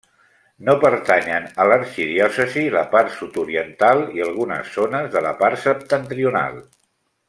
No pertanyen a l'arxidiòcesi la part sud-oriental i algunes zones de la part septentrional.